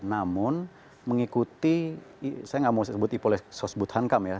namun mengikuti saya nggak mau sebut ipolesos butankam ya